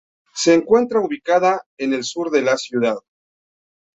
Se encuentra ubicada en el sur de la ciudad.